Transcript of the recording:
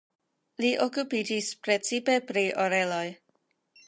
Li okupiĝis precipe pri oreloj.